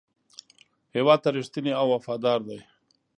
هېواد ته رښتینی او وفادار دی.